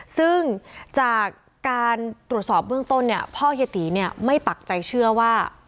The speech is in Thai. ซึ่งจากการตรวจสอบเบื้องต้นเนี่ยพ่อเฮียตีเนี่ยไม่ปักใจเชื่อว่า